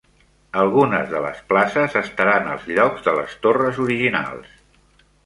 Algunes de les places estaran als llocs de les torres originals.